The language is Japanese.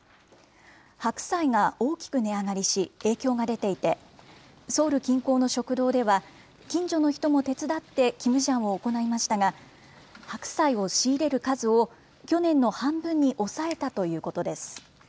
白菜が大きく値上がりし、影響が出ていて、ソウル近郊の食堂では、近所の人も手伝ってキムジャンを行いましたが、白菜を仕入れる数を去年の半分に抑えたということです。